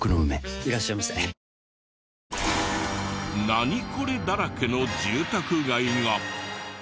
ナニコレだらけの住宅街が。